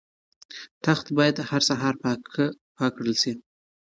تخت باید په هره سهار پاک کړل شي.